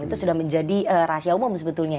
itu sudah menjadi rahasia umum sebetulnya